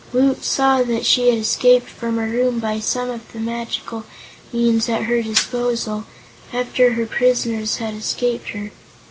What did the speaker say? Woot saw that she had escaped from her room by some of the magical means at her disposal, after her prisoners had escaped her.